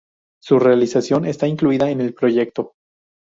Su realización está incluida en el proyecto.